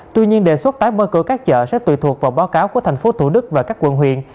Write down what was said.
tuy nhiên đề xuất tái mở cửa các chợ sẽ tùy thuộc vào báo cáo của thành phố thủ đức và các quận huyện